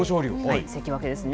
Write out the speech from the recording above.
関脇ですね。